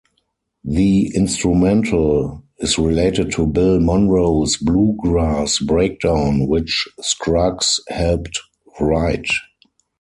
The instrumental is related to Bill Monroe's "Bluegrass Breakdown" which Scruggs helped write.